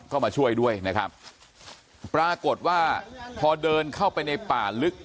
มาช่วยด้วยนะครับปรากฏว่าพอเดินเข้าไปในป่าลึก